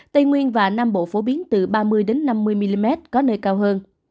tây nguyên và nam bộ phổ biến từ ba mươi năm mươi mm có nơi cao hơn